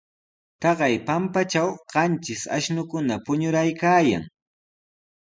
Taqay pampatraw qanchis ashnukuna puñuraykaayan.